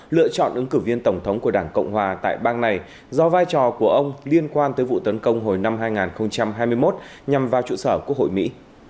lựa chọn ứng cử viên tổng thống của đảng cộng hòa tại bang này do vai trò của ông liên quan tới vụ tấn công hồi năm hai nghìn hai mươi một nhằm vào trụ sở quốc hội mỹ